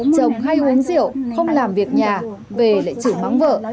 chồng hay uống rượu không làm việc nhà về lại chửi mắng vợ